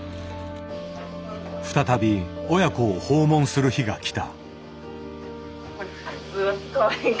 再び親子を訪問する日が来た。